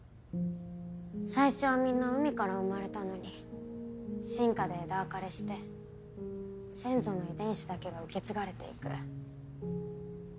最初はみんな海から生まれたのに進化で枝分かれして先祖の遺伝子だけが受け継がれて行く。